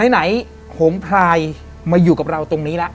ไหนโหมพลายมาอยู่กับเราตรงนี้แล้ว